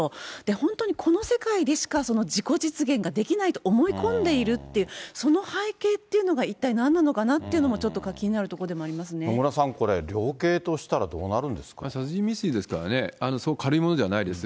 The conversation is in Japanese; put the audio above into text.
本当にこの世界でしか自己実現ができないと思い込んでいるっていう、その背景っていうのが、一体なんなのかなっていうのも、ちょっと気になるところでもあり野村さん、これ量刑としたら殺人未遂ですからね、そう軽いものではないです。